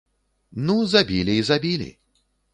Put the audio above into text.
Ну забілі і забілі.